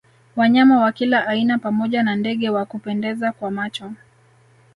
Wanyama wa kila aina pamoja wa ndege wa kupendeza kwa macho